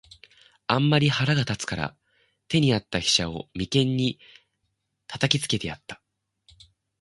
あんまり腹が立つたから、手に在つた飛車を眉間へ擲きつけてやつた。